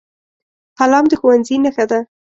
قلم د ښوونځي نښه ده